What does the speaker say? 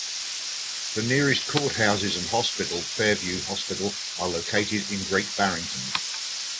The nearest courthouses and hospital, Fairview Hospital, are located in Great Barrington.